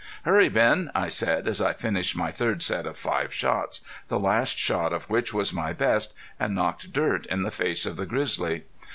"Hurry, Ben," I said, as I finished my third set of five shots, the last shot of which was my best and knocked dirt in the face of the grizzly.